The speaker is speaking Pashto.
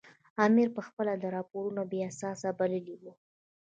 امیر پخپله دا راپورونه بې اساسه بللي وو.